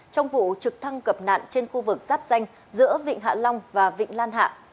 trong vụ trực thăng cập nạn trên khu vực giáp danh giữa vịnh hạ long và vịnh lan hạ